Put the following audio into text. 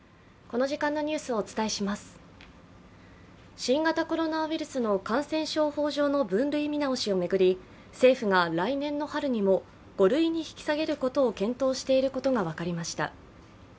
新型コロナウイルスの感染症法上の分類見直しを巡り、政府が来年の春にも５類に引き下げることを検討していることが分かりました。